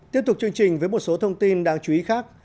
tiếp tục chương trình với một số thông tin đáng chú ý khác